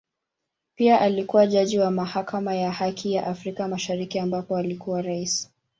Pia alikua jaji wa Mahakama ya Haki ya Afrika Mashariki ambapo alikuwa Rais.